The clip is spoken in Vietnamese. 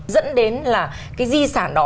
dẫn đến là cái di sản đó